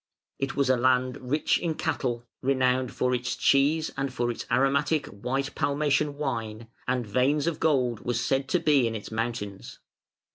It was a land rich in cattle, renowned for its cheese and for its aromatic, white Palmatian wine; and veins of gold were said to be in its mountains.